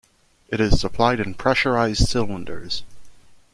It is supplied in pressurized cylinders.